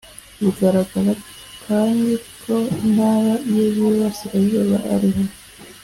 Biragaragara kandi ko Intara y iburasirazuba ariho